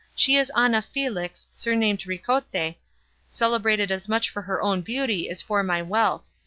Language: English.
She is Ana Felix, surnamed Ricote, celebrated as much for her own beauty as for my wealth.